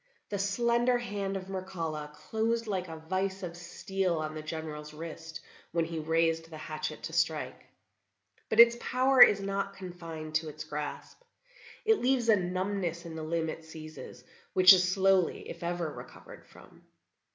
The slender hand of Mircalla closed like a vice of steel on the General's wrist when he raised the hatchet to strike. But its power is not confined to its grasp; it leaves a numbness in the limb it seizes, which is slowly, if ever, recovered from."